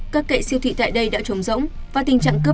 các kệ siêu thị tại đây đã trống rỗng